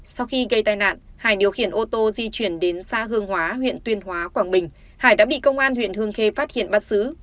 sau khi gây tai nạn hải điều khiển ô tô di chuyển đến xã hương hóa huyện tuyên hóa quảng bình hải đã bị công an huyện hương khê phát hiện bắt xử